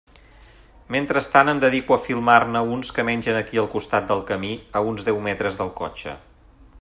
Mentrestant em dedico a filmar-ne uns que mengen aquí al costat del camí, a uns deu metres del cotxe.